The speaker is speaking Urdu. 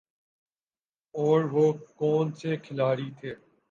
اور وہ کون سے کھلاڑی تھے ۔